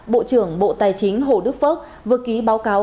bộ trưởng bộ tài chính hồ đức phước vừa ký báo cáo